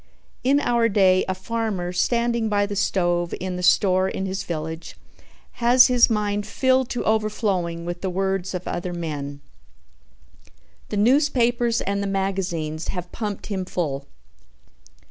In our day a farmer standing by the stove in the store in his village has his mind filled to overflowing with the words of other men. The newspapers and the magazines have pumped him full.